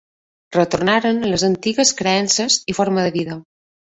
Retornaren a les antigues creences i forma de vida.